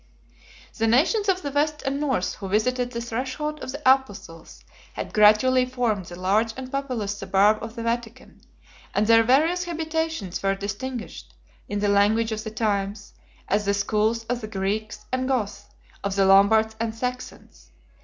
The nations of the West and North who visited the threshold of the apostles had gradually formed the large and populous suburb of the Vatican, and their various habitations were distinguished, in the language of the times, as the schools of the Greeks and Goths, of the Lombards and Saxons.